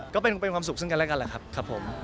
ก็เป็นความสุขซึ่งกันแล้วกันแหละครับผม